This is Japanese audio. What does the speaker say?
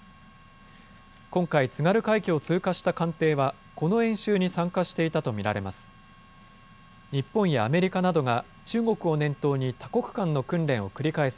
今回、津軽海峡を通過した艦艇は、この演習に参加していたと見られます。